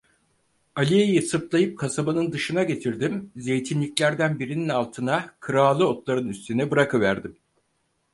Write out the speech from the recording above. Aliye'yi sırtlayıp kasabanın dışına getirdim, zeytinliklerden birinin altına, kırağılı otların üstüne bırakıverdim…